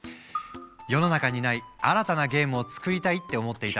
世の中にない新たなゲームを作りたいって思っていた